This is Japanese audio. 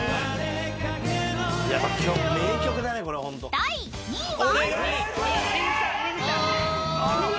［第２位は？］